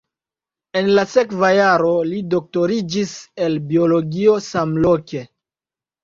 En la sekva jaro li doktoriĝis el biologio samloke.